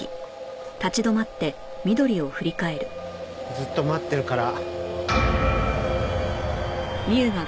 ずっと待ってるから。